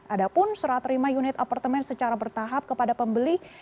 ada pun serah terima unit apartemen secara bertahap kepada pembeli